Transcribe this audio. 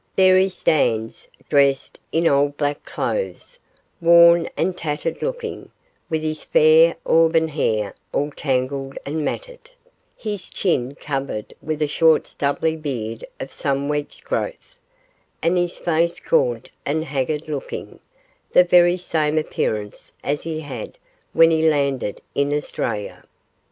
There he stands, dressed in old black clothes, worn and tattered looking, with his fair auburn hair all tangled and matted; his chin covered with a short stubbly beard of some weeks' growth, and his face gaunt and haggard looking the very same appearance as he had when he landed in Australia.